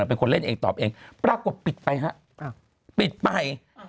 เป็นคนเล่นเองตอบเองปรากฏปิดไปฮะปิดไป